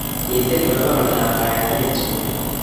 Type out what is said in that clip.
kitil koba oldab kayanet chorik